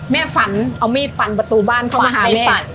แม่ฝันเอาหมี้ฟันฝันประตูบ้านเข้ามางาน